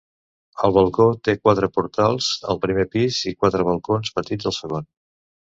El balcó té quatre portals al primer pis i quatre balcons petits al segon.